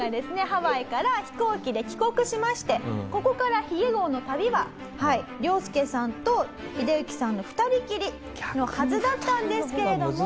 ハワイから飛行機で帰国しましてここから髭号の旅はリョウスケさんとヒデユキさんの２人きりのはずだったんですけれども。